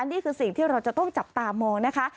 นี่คือสิ่งที่เราจะต้องจับตามองนะคะ